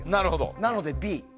なので、Ｂ。